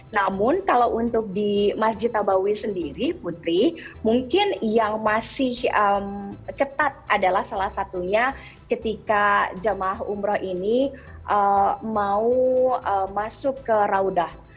namun kalau untuk di masjid nabawi sendiri putri mungkin yang masih ketat adalah salah satunya ketika jemaah umroh ini mau masuk ke raudah